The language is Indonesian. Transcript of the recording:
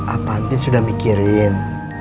apaan tin sudah mikirin